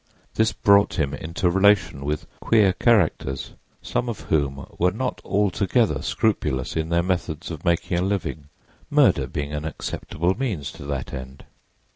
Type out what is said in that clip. This brought him into relation with queer characters, some of whom were not altogether scrupulous in their methods of making a living, murder being an acceptable means to that end.